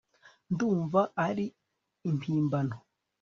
ndumva ari impimbano